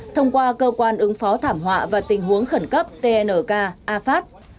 thông qua cơ quan ứng phó thảm họa và tình huống khẩn cấp tnk afat